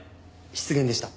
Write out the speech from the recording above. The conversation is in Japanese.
失言でした。